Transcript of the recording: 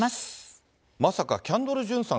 まさかキャンドル・ジュンさん